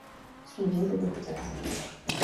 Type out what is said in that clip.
Suivi de Dr.